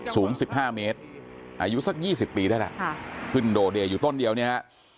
สูง๑๕เมตรอายุสัก๒๐ปีได้แล้วขึ้นโดเดย์อยู่ต้นเดียวเนี่ยฮะ